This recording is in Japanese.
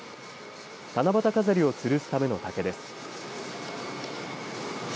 七夕飾りをつるすための竹です。